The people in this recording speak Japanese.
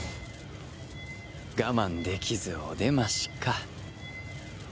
我慢できずお出ましか。